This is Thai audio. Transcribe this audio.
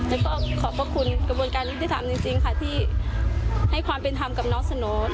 และขอบคุณกระบวนการวิธีธรรมจริงที่ให้ความเป็นธรรมกับน้องสโน้